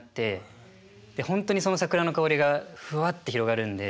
で本当にその桜の香りがふわって広がるんで。